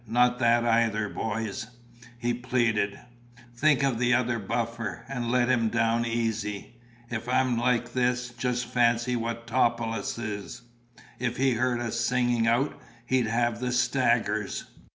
"Not that either, boys," he pleaded. "Think of the other buffer, and let him down easy. If I'm like this, just fancy what Topelius is! If he heard us singing out, he'd have the staggers."